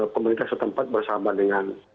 pemerintah setempat bersahabat dengan